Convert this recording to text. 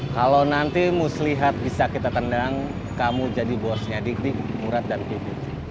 kalau nanti mus lihat bisa kita tendang kamu jadi bosnya dikdik murad dan pipit